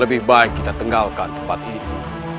lebih baik kita tinggalkan tempat itu